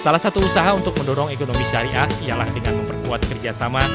salah satu usaha untuk mendorong ekonomi syariah ialah dengan memperkuat kerjasama